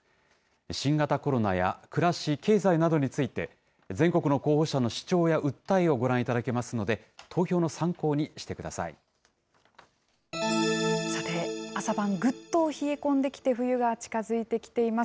新型コロナや暮らし・経済などについて、全国の候補者の主張や訴えをご覧いただけますので、投票さて、朝晩ぐっと冷え込んできて、冬が近づいてきています。